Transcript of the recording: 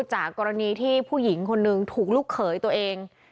จากกรณีที่ผู้หญิงคนนึงถูกลูกเขยตัวเอง